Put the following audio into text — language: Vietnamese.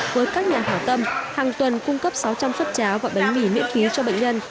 với các nhà hảo tâm hàng tuần cung cấp sáu trăm linh xuất cháo gọi bánh mì miễn phí cho bệnh nhân